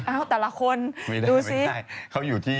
อ้าวแต่ละคนดูสิ